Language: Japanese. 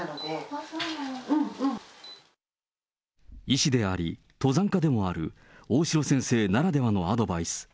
医師であり、登山家でもある大城先生ならではのアドバイス。